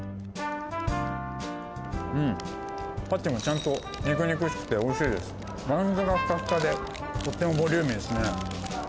うんパティもちゃんと肉々しくておいしいですバンズがフカフカでとってもボリューミーですね